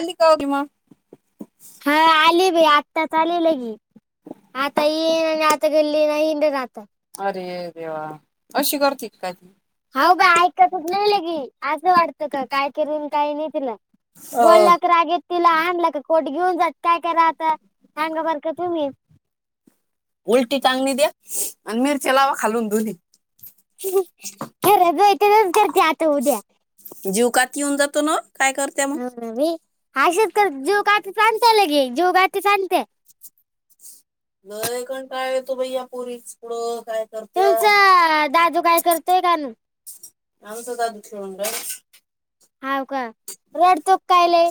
आणली का भीमा. हा आली बाई आत्ताच आले लगी. आता येईन आता गल्ली ना हिंडन आता. अरे देवा अशी करती की काय ती? हा बा ऐकातच नाही लगे असं वाटतं का काय कर काही नाही तिल अ बोललं तर राग येते तिला आणला का. पोट घेऊन जाते काय करा आता सांगा बर का तुम्ही. उलटी टांगली दे अन मिरच्या लावा खालून धुरी. खरजथच करते आता उद्या जीवकात येऊन जातो ना काय कर हाव ना बाई जीवगाठीस आंटे लगे जीव गाठीस आणते. लय कंटाळा येतो बाई या पोरी पुढे काय. करत्या तुमचा दादू काय करतोय का. आमचा दादू खेळून राहिला. हो का रडतोक काय लय?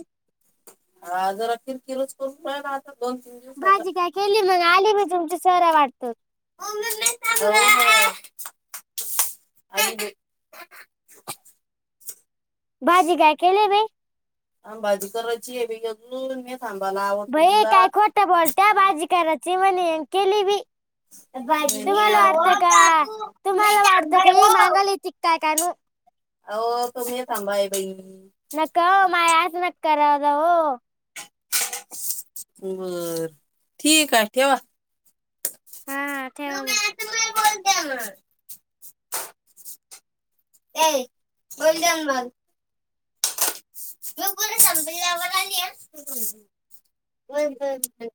हा जरा किरकिरच करून राहिला दोन तीन. दिवसाचा भाजी काय केली मग आले मी जुमच सरा वाढतो. [unintelligible] भाजी काय केलीये बाई? भाजी करायची बाई अजून. थांबालाव काय खोटं बोलतीया, भाजी करायचे म्हणे अन केली भी. तुम्हाला वाटत का तुम्हाला वाटत का? ही मागायला येते काय काय आणू. अहो तुम्ही थांबा बाई. नका औ माय आस नक् कव जा हो. बरं ठीक आहे ठेवा, हा ठेवा [unintelligible] ए बोल जान मग. [unintelligible] [unintelligible]